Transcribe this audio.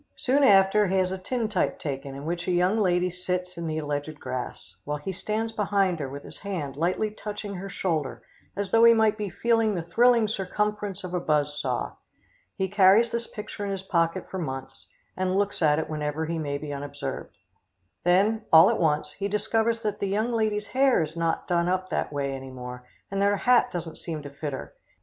Soon after, he has a tintype taken in which a young lady sits in the alleged grass, while he stands behind her with his hand lightly touching her shoulder as though he might be feeling of the thrilling circumference of a buzz saw. He carries this picture in his pocket for months, and looks at it whenever he may be unobserved. Then, all at once, he discovers that the young lady's hair is not done up that way any more, and that her hat doesn't seem to fit her.